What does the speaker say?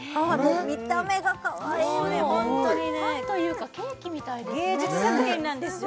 見た目がかわいいパンというかケーキみたいですね芸術作品なんですよ